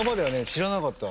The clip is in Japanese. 知らなかった。